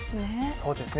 そうですね。